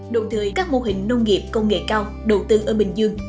đồng thời các mô hình nông nghiệp công nghệ cao đầu tư ở bình dương